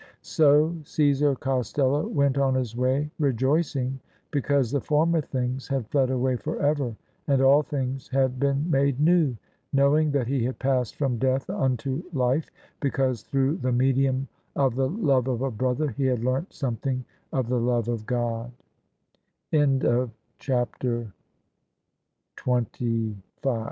So Caesar Costello went on his way rejoicing because the former things had fled away for ever and all things had been made new; knowing that he had passed from death unto life, because through the medium of the love of a brother he had learnt some